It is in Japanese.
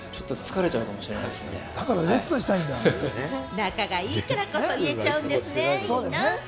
仲が良いからこそ言えちゃうんですね、いいな。